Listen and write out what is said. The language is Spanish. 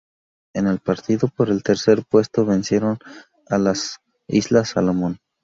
En el partido por el tercer puesto vencieron a las Islas Salomón.